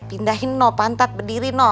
pindahin no pantak berdiri no